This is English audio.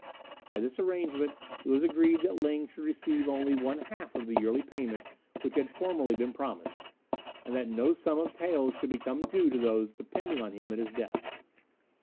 By this arrangement it was agreed that Ling should receive only one half of the yearly payment which had formerly been promised, and that no sum of taels should become due to those depending on him at his death.